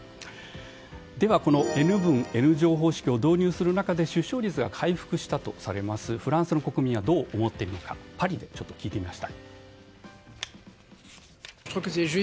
では、このＮ分Ｎ乗方式を導入する中で出生率が回復したとされますフランスの国民はどう思っているのかパリで聞いてみました。